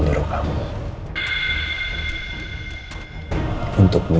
menyusup ke kantor saya sebagai mantan mantan